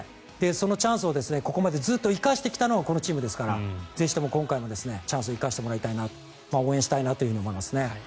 そのチャンスをここまでずっと生かしてきたのはこのチームですからぜひとも今回もチャンスを生かしてもらいたいと応援したいなと思いますね。